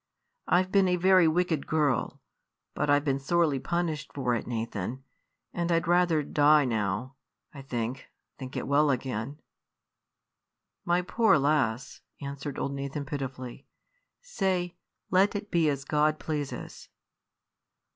I've been a very wicked girl, but I've been sorely punished for it, Nathan; and I'd rather die now, I think, than get well again." "My poor lass!" answered old Nathan, pitifully, "say, 'Let it be as God pleases.'"